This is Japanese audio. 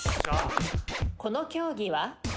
この競技は？